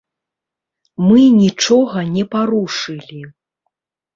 Мы нічога не парушылі.